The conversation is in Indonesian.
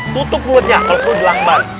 tutup mulutnya peluk peluk di langban